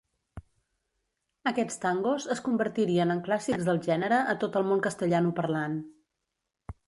Aquests tangos es convertirien en clàssics del gènere a tot el món castellanoparlant.